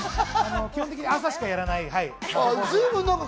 基本的に朝しかやらないんで。